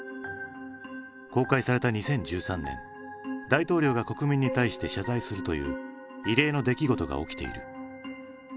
公開された２０１３年大統領が国民に対して謝罪するという異例の出来事が起きている。